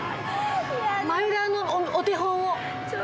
マヨラーのお手本を。